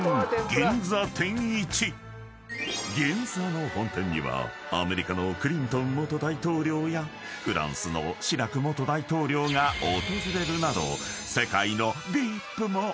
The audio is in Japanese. ［銀座の本店にはアメリカのクリントン元大統領やフランスのシラク元大統領が訪れるなど］